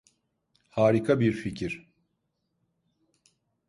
Harika bir fikir.